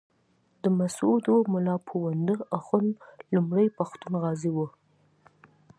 د مسودو ملا پوونده اخُند لومړی پښتون غازي وو.